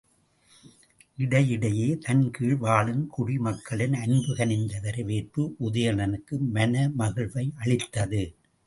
இடைஇடையே தன் கீழ் வாழும் குடி மக்களின் அன்பு கனிந்த வரவேற்பு உதயணனுக்கு மனகிழ்வை அளித்தது.